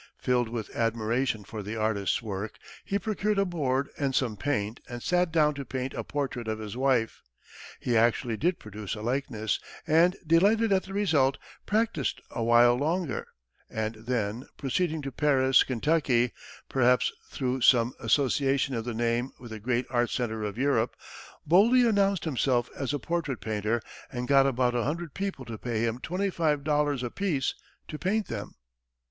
Filled with admiration for the artist's work, he procured a board and some paint, and sat down to paint a portrait of his wife. He actually did produce a likeness, and, delighted at the result, practiced a while longer, and then, proceeding to Paris, Kentucky perhaps through some association of the name with the great art centre of Europe boldly announced himself as a portrait painter, and got about a hundred people to pay him twenty five dollars apiece to paint them.